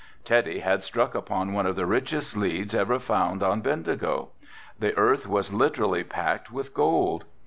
Teddy had struck upon one of the richest leads ever found on Bendigo. The earth was literally packed with gold.